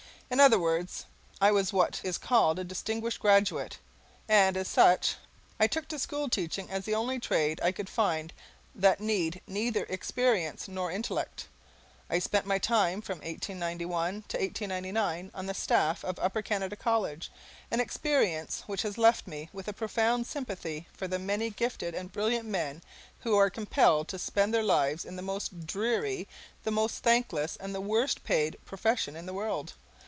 In other words I was what is called a distinguished graduate, and, as such, I took to school teaching as the only trade I could find that need neither experience nor intellect. I spent my time from 1891 to 1899 on the staff of Upper Canada College, an experience which has left me with a profound sympathy for the many gifted and brilliant men who are compelled to spend their lives in the most dreary, the most thankless, and the worst paid profession in the world.